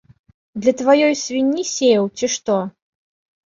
Для тваёй свінні сеяў, ці што?